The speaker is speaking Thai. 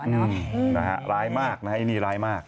อืมนะฮะร้ายมากนะฮะไอ้นี่ร้ายมาก